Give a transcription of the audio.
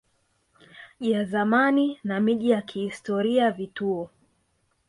ya zamani na miji ya kihistoria vituo